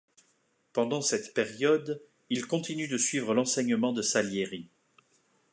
Pendant cette période, il continue de suivre l'enseignement de Salieri.